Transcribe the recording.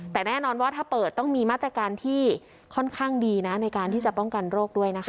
แต่แน่นอนว่าถ้าเปิดต้องมีมาตรการที่ค่อนข้างดีนะในการที่จะป้องกันโรคด้วยนะคะ